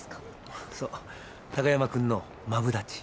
あっそう貴山君のマブダチ。